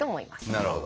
なるほど。